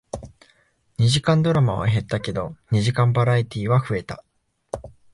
二時間ドラマは減ったけど、二時間バラエティーは増えた